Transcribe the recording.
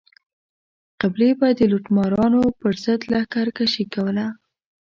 قبیلې به د لوټمارانو پر ضد لښکر کشي کوله.